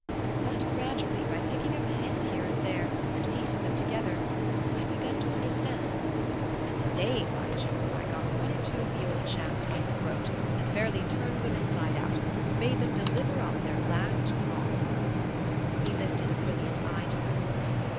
But gradually, by picking up a hint here and there, and piecing them together, I've begun to understand; and to day, by Jove, I got one or two of the old chaps by the throat and fairly turned them inside out made them deliver up their last drop." He lifted a brilliant eye to her.